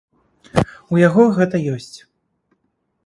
У яго гэта ёсць.